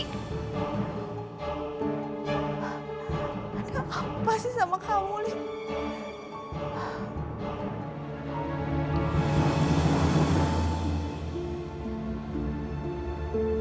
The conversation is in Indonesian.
ada apa sih sama kamu lia